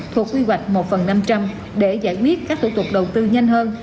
thuộc quy hoạch một phần năm trăm linh để giải quyết các thủ tục đầu tư nhanh hơn